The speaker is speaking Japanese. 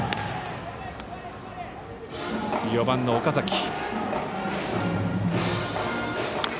４番の岡崎。